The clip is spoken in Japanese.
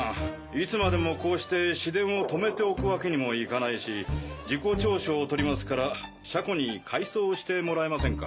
いつまでもこうして市電を停めておく訳にもいかないし事故調書を取りますから車庫に回送してもらえませんか？